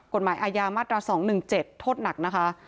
กฎหมายอาญามาตรา๒๑๗โทษหนักนะคะ